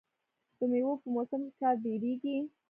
د میوو په موسم کې کار ډیریږي.